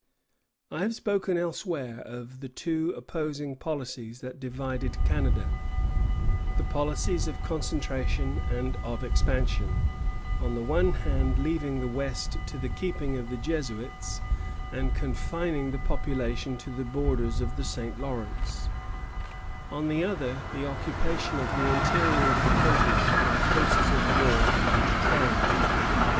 I have spoken elsewhere of the two opposing policies that divided Canada, the policies of concentration and of expansion, on the one hand leaving the west to the keeping of the Jesuits, and confining the population to the borders of the St. Lawrence; on the other, the occupation of the interior of the continent by posts of war and trade.